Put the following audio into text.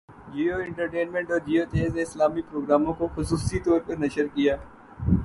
Jio entertainment اور جیو تیز نے اسلامی پروگراموں کو خصوصی طور پر نشر کیا